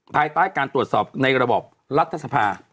ภายใต้การตรวจสอบในระบบรัฐสภา